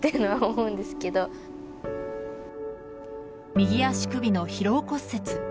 右足首の疲労骨折。